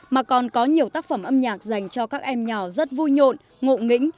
mà còn có nhiều tác phẩm âm nhạc dành cho các em nhỏ rất vui nhộn ngộ nghĩnh